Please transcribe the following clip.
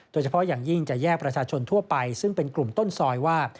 โดยเฉพาะอย่างยิ่งจะแยกประชาชนทั่วไปซึ่งเป็นกลุ่มต้นซอยว่า